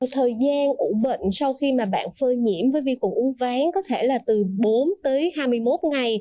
thời gian ủ bệnh sau khi bạn phơi nhiễm với vi cung uấn ván có thể là từ bốn hai mươi một ngày